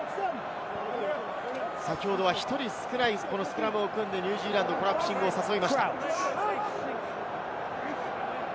先ほどは１人少ないスクラムを組んで、ニュージーランドがコラプシングを誘いました。